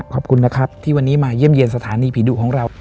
ขอบคุณนะครับที่วันนี้มาเยี่ยมเยี่ยมสถานีผีดุของเรา